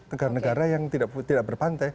negara negara yang tidak berpantai